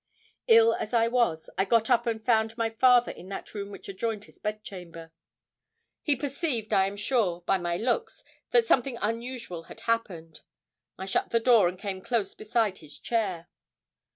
Ill as I was, I got up and found my father in that room which adjoined his bedchamber. He perceived, I am sure, by my looks, that something unusual had happened. I shut the door, and came close beside his chair.